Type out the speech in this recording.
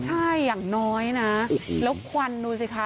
ใช่อย่างน้อยนะแล้วควันดูสิคะ